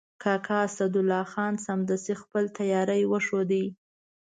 کاکا اسدالله خان سمدستي خپل تیاری وښود.